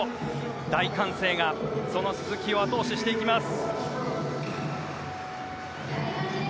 大歓声がその鈴木を後押ししていきます。